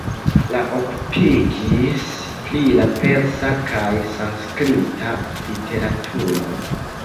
Li okupiĝis pri la persa kaj sanskrita literaturoj.